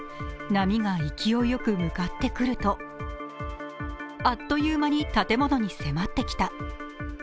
波が勢いよく向かってくるとあっという間に建物に迫ってきた。